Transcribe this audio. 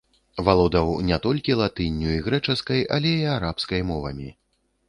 Валодаў не толькі латынню і грэчаскай, але і арабскай мовамі.